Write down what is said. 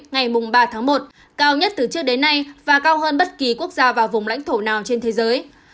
ngày ba tháng một cao nhất từ trước đến nay và cao hơn bất kỳ quốc gia và vùng lãnh thổ nào trên thế giới